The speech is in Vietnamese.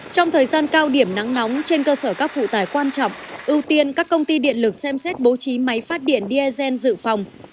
trong thời gian cao điểm nắng nóng trên cơ sở các phụ tải quan trọng ưu tiên các công ty điện lực xem xét bố trí máy phát điện dsn dự phòng